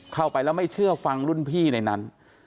เข้าไปแล้วไม่เชื่อฟังรุ่นพี่ในนั้น